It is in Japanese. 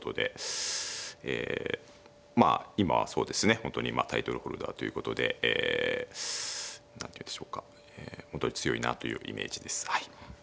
本当にタイトルホルダーということでえ何ていうんでしょうか本当に強いなというイメージですはい。